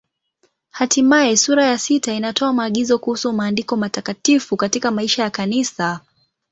Hatimaye sura ya sita inatoa maagizo kuhusu Maandiko Matakatifu katika maisha ya Kanisa.